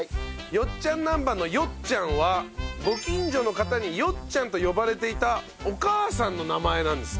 よっちゃんなんばんの「よっちゃん」はご近所の方に「よっちゃん」と呼ばれていたお母さんの名前なんですって。